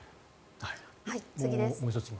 次です。